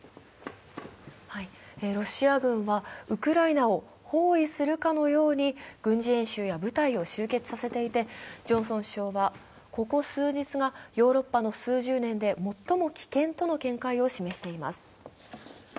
ロシア軍はウクライナを包囲するかのように軍事演習や部隊を集結させていてジョンソン首相はここ数日がヨーロッパの数十年で最も危険と見解を示しています。